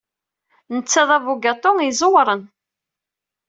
Netta d abugaṭu ay iẓewren.